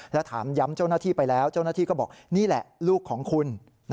แล้วถามย้ำเจ้าหน้าที่ไปแล้วเจ้าหน้าที่ก็บอกนี่แหละลูกของคุณ